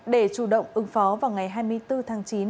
để chủ động ứng phó vào ngày hai mươi bốn tháng chín